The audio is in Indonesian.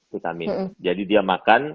vitamin jadi dia makan